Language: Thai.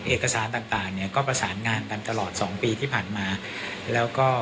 เอกสารต่างก็ผสานงานกันตลอด๒ปีที่ผ่านมา